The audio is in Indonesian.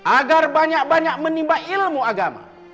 agar banyak banyak menimba ilmu agama